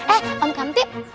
eh om kamti